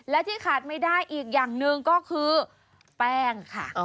และที่ขาดไม่ได้อีกอย่างหนึ่งก็คือแป้งค่ะ